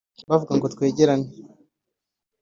bavuga ngo twegerane